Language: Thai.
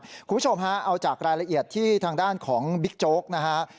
คุณผู้ชมฮะเอาจากรายละเอียดที่ทางด้านของบิ๊กโจ๊กนะฮะ